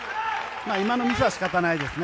今のミスは仕方ないですね。